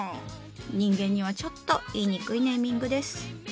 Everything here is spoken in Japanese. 人間にはちょっと言いにくいネーミングです。